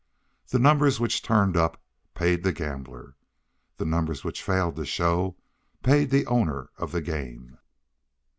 The numbers which turned up paid the gambler. The numbers which failed to show paid the owner of the game.